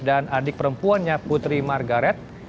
dan adik perempuannya putri margaret